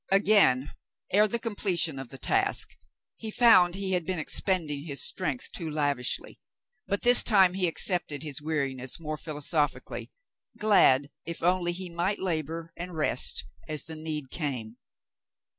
Again, ere the com pletion of the task, he found he had been expending his strength too lavishly, but this time he accepted his weari ness more philosophically, glad if only he might labor and rest as the need came.